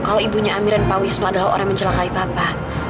kalo ibunya amiran pak wisnu adalah orang mencelakai papa